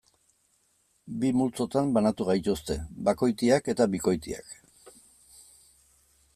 Bi multzotan banatu gaituzte: bakoitiak eta bikoitiak.